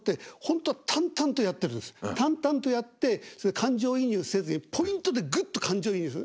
淡々とやって感情移入せずポイントでグッと感情移入する。